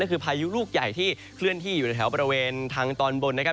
ก็คือพายุลูกใหญ่ที่เคลื่อนที่อยู่ในแถวบริเวณทางตอนบนนะครับ